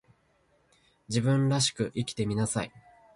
自分らしく生きてみなさい